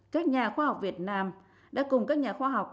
các nhà khoa học việt nam đã cùng các nhà khoa học